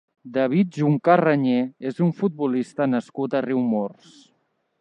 David Juncà Reñé és un futbolista nascut a Riumors.